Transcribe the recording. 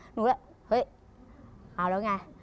หนูก็เฮ้ยเอาแล้วไง